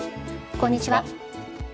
こんにちは。